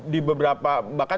di beberapa bahkan